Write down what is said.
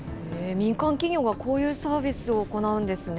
民間企業がこういうサービスを行うんですね。